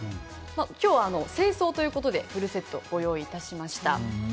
今日は正装ということでフルセットをご用意しました。